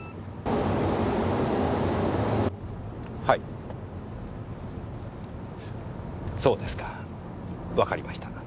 はいそうですか。わかりました。